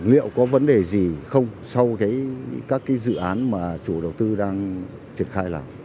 liệu có vấn đề gì không sau các dự án mà chủ đầu tư đang triển khai làm